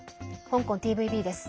香港ＴＶＢです。